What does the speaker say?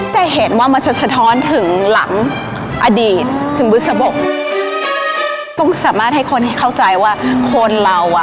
แต่เห็นว่ามันจะสะท้อนถึงหลังอดีตถึงบุษบกต้องสามารถให้คนให้เข้าใจว่าคนเราอ่ะ